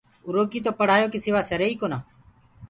اُرو ڪي تو پڙهآيو ڪي سِوآ سري ئي ڪونآ۔